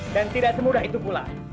dan tidak semudah itu pula